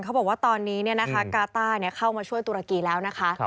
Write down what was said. เขาบอกว่าตอนนี้กาต้าเข้ามาช่วยตุรกีแล้วนะคะ